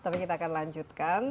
tapi kita akan lanjutkan